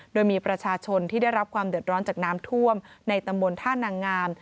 โดยมีประชาชนที่ได้รับความเดือดร้อนจากน้ำท่วมในตำบลท่านางาม